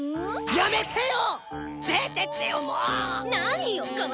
やめてよ！